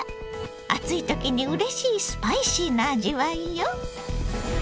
暑い時にうれしいスパイシーな味わいよ。